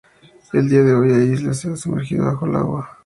En el día de hoy la isla se ha sumergido bajo el agua.